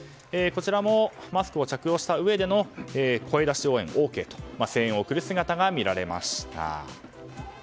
マスクを着用したうえでの声出し応援ＯＫと声援を送る姿が見られました。